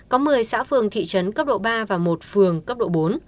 có một mươi xã phường thị trấn cấp độ ba và một phường cấp độ bốn